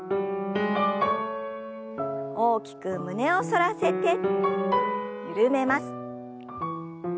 大きく胸を反らせて緩めます。